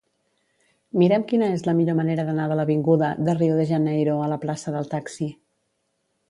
Mira'm quina és la millor manera d'anar de l'avinguda de Rio de Janeiro a la plaça del Taxi.